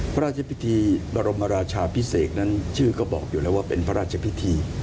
พระราชพิธีบรมราชาพิเศษนั้นชื่อก็บอกอยู่แล้วว่าเป็นพระราชพิธี